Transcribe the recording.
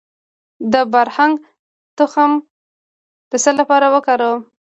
د بارهنګ تخم د څه لپاره وکاروم؟